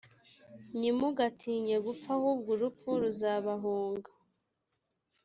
nyimugatinye gupfa ahubwo urupfu ruzabahunga